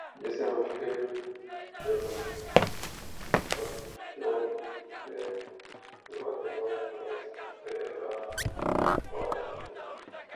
جیسے مشکل چیلنجوں سے نمٹنے کے ذریعہ معیشت